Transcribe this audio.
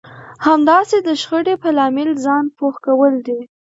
همداسې د شخړې په لامل ځان پوه کول دي.